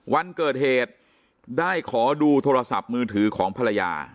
วันเกิดเหตุได้ขอดูโทรศัพท์มือถือของภรรยา